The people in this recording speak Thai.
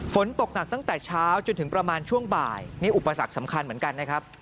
ฝนตกหนักตั้งแต่เช้าจนถึงประมาณช่วงบ่ายนี่อุปสรรคสำคัญเหมือนกันนะครับ